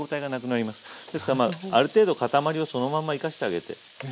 ですからまあある程度塊をそのまま生かしてあげて。